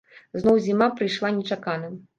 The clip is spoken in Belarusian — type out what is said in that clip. Зноў зіма прыйшла нечакана.